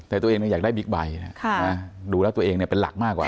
แต่ตัวเองก็อยากได้บิ๊กใบค่ะดูแล้วตัวเองเนี้ยเป็น